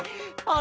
あ。